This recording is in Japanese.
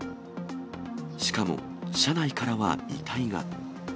しかも車内からは遺体が。